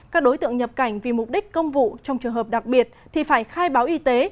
các đối tượng nhập cảnh vì mục đích công vụ trong trường hợp đặc biệt thì phải khai báo y tế